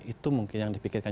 itu mungkin yang dipikirkan